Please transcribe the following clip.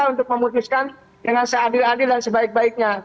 untuk memutuskan dengan seadil adil dan sebaik baiknya